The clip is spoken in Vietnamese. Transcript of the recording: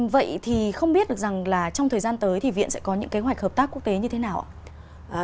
vậy thì không biết được rằng là trong thời gian tới thì viện sẽ có những kế hoạch hợp tác quốc tế như thế nào ạ